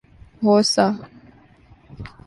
Hausa